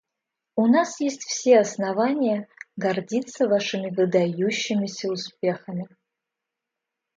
У нас есть все основания гордиться Вашими выдающимися успехами.